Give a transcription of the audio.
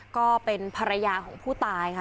ก็เป็นภรรยาของผู้ตายค่ะ